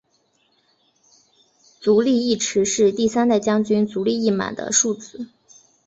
足利义持是第三代将军足利义满的庶子。